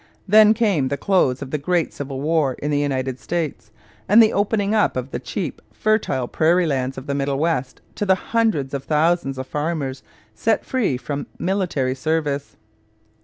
Then came the close of the great civil war in the United States and the opening up of the cheap, fertile prairie lands of the Middle West to the hundreds of thousands of farmers set free from military service.